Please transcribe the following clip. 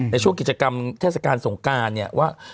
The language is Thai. ในช่วงกิจกรรมเทศกาลสงการเนี่ยว่า